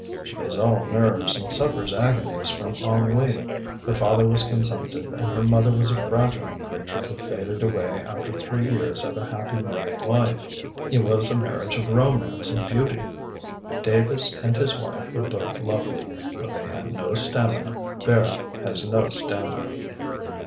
"She is all nerves, and suffers agonies from ennui. Her father was consumptive, and her mother was a fragile creature who faded away after three years of a happy married life. It was a marriage of romance and beauty. Davis and his wife were both lovely; but they had no stamina. Vera has no stamina."